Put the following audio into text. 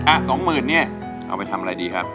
สองหมื่นเนี่ยเอาไปทำอะไรดีครับ